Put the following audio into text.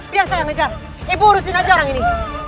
biar saya yang mengejar ibu urusin saja orang ini